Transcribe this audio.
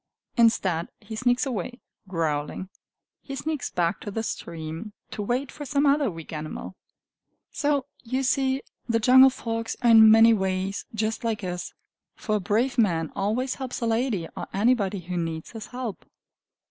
Instead, he sneaks away, growling. He sneaks back to the stream, to wait for some other weak animal. So, you see, the jungle folks are in many ways just like us; for a brave man always helps a lady or anybody who needs his help.